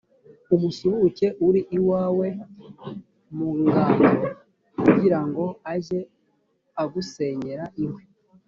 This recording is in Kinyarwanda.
umusuhuke uri iwawe mu ngando, kugira ngo ajye agusenyera inkwi